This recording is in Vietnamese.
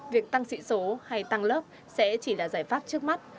việc tăng sĩ số hay tăng lớp sẽ chỉ là giải pháp trước mắt